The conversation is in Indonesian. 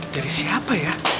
dari siapa ya